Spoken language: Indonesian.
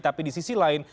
tapi di sisi lain